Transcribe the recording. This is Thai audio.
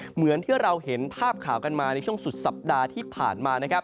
เหมือนที่เราเห็นภาพข่าวกันมาในช่วงสุดสัปดาห์ที่ผ่านมานะครับ